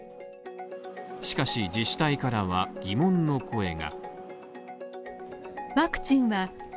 しかし、自治体からは疑問の声が。